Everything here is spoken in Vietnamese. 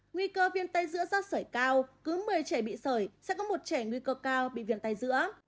nguy cơ viêm tay giữa da sởi cao cứ một mươi trẻ bị sởi sẽ có một trẻ nguy cơ cao bị viêm tay giữa